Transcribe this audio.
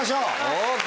ＯＫ